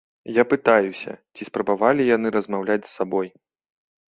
Я пытаюся, ці спрабавалі яны размаўляць з сабой?